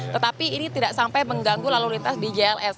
tetapi ini tidak sampai mengganggu laluritas di jls